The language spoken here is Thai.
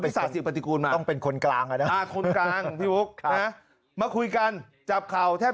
ที่สาธิตปฏิกูลมาต้องเป็นคนกลางคนกลางมาคุยกันจับเข่าแทบ